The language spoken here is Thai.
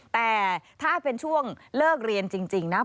แต่ถ้าเป็นช่วงเลิกเรียนจริงนะ